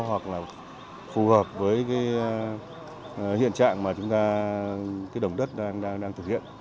hoặc là phù hợp với hiện trạng mà đồng đất đang thực hiện